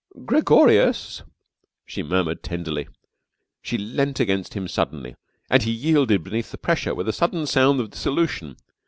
"Gregorius!" she murmured tenderly: She leant against him suddenly, and he yielded beneath the pressure with a sudden sound of dissolution.